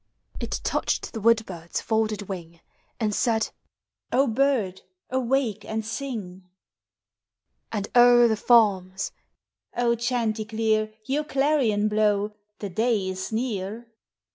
It touched the wood bird's folded wing, And said, " O bird, awake and sing !'' And o'er the farms, " chanticleer, Your clarion blow ; the day is near